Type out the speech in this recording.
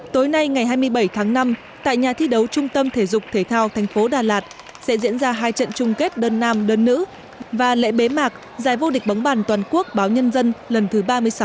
tối nay ngày hai mươi bảy tháng năm tại nhà thi đấu trung tâm thể dục thể thao tp đà lạt sẽ diễn ra hai trận chung kết đơn nam đơn nữ và lễ bế mạc giải vô địch bóng bàn toàn quốc báo nhân dân lần thứ ba mươi sáu